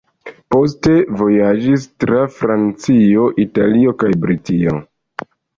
Poste vojaĝis tra Francio, Italio kaj Britio.